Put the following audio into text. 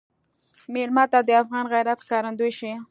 مېلمه ته د افغان غیرت ښکارندوی شه.